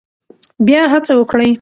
بیا هڅه وکړئ.